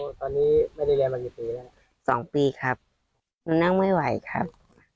ตอนนี้ไม่ได้เรียนมากี่ปีแล้วสองปีครับหนูนั่งไม่ไหวครับ